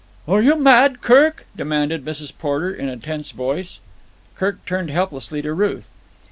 "Are you mad, Kirk?" demanded Mrs. Porter in a tense voice. Kirk turned helplessly to Ruth.